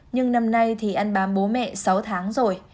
nhưng năm nay thì ăn bám bố mẹ sáu tháng rồi